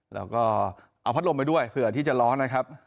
แล้วก็เอาพัดลมไปด้วยเผื่อที่จะร้อนนะครับ